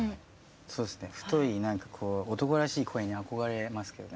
そうですね太い男らしい声に憧れますけどね。